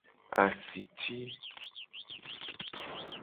Asiti.